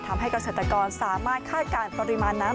ทำให้เกษตรกรสามารถคาดการณ์ปริมาณน้ำ